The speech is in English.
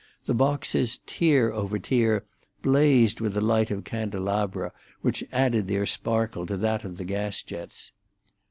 The boxes, tier over tier, blazed with the light of candelabra which added their sparkle to that of the gas jets.